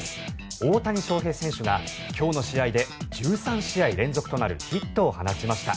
大谷翔平選手が今日の試合で１３試合連続となるヒットを放ちました。